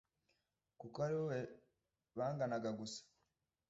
kuko ariwe banganaga gusa.